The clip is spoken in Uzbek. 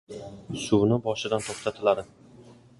• Suvni boshidan to‘xtatiladi.